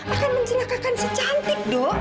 akan mencelakakan si cantik do